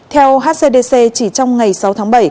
theo hcdc chỉ trong ngày sáu tháng bảy